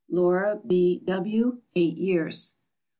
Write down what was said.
LAURA B. W. (eight years).